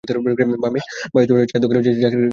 বাইরে চায়ের দোকানে জাকিরকে একটা চিঠি দিয়েছি আমি।